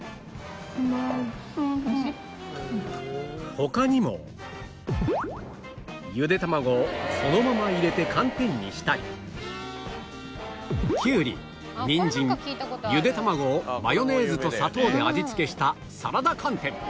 他にもゆで卵をそのまま入れて寒天にしたりきゅうりにんじんゆで卵をマヨネーズと砂糖で味付けしたサラダ寒天